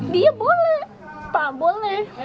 dia boleh pak boleh